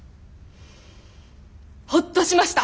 ホッとしました。